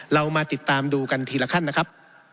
เรามาติดตามดูกันทีละขั้นนะครับ